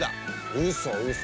うそうそ。